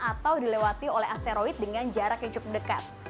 atau dilewati oleh asteroid dengan jarak yang cukup dekat